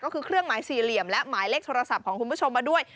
ก็คือเครื่องหมายสี่เหลี่ยมและหมายเลขโทรศัพท์ของคุณผู้ชมมาด้วย